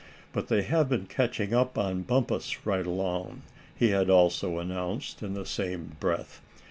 "But they have been catching up on Bumpus right along," he had also announced in the same breath.